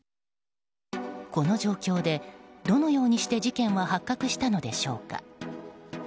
この状況で、どのようにして事件は発覚したのでしょうか。